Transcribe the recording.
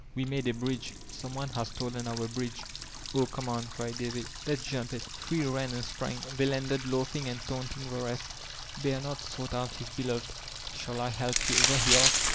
"We made a bridge. Some one has stolen our bridge." "Oh, come on," cried Davy, "let's jump it." Three ran and sprang; they landed laughing and taunting the rest Bernard sought out his beloved. "Shall I help yon over?" he asked.